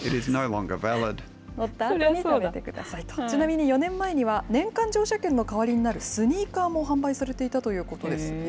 ちなみに４年前には、年間乗車券の代わりになるスニーカーも販売されていたということです。